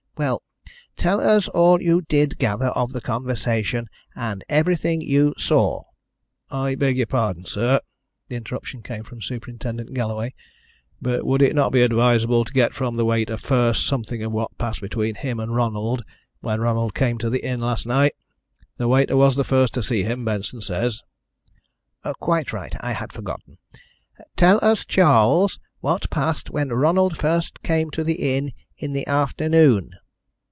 "Well, tell us all you did gather of the conversation, and everything you saw." "I beg your pardon, sir" the interruption came from Superintendent Galloway "but would it not be advisable to get from the waiter first something of what passed between him and Ronald when Ronald came to the inn last night? The waiter was the first to see him, Benson says." "Quite right. I had forgotten. Tell us, Charles, what passed when Ronald first came to the inn in the afternoon."